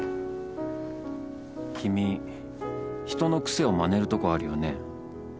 「君人の癖をまねるとこあるよね」